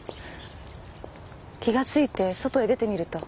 気がついて外へ出てみると。